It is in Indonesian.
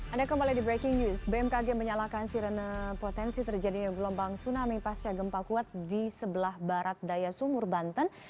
anda kembali di breaking news bmkg menyalakan sirena potensi terjadinya gelombang tsunami pasca gempa kuat di sebelah barat daya sumur banten